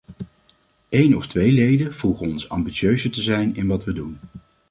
Een of twee leden vroegen ons ambitieuzer te zijn in wat we doen.